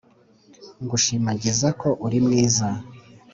Ngushimagizako Uri nwiza